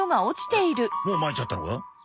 もうまいちゃったのか？